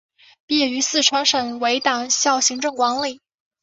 毕业于四川省委党校行政管理。